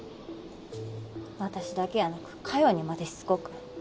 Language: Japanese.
私だけやなく嘉代にまでしつこく。